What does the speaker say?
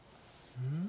うん？